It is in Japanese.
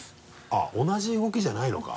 あっ同じ動きじゃないのか？